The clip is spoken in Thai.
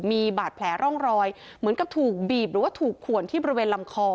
มีบาดแผลร่องรอยเหมือนกับถูกบีบหรือว่าถูกขวนที่บริเวณลำคอ